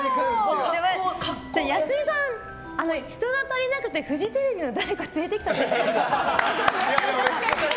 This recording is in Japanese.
安井さん、人が足りなくてフジテレビの誰か連れてきたとかじゃないですか。